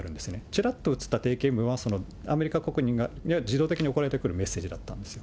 ちらっとうつった定型文はそのアメリカ国民には自動的に送られてくるメッセージだったんですよ。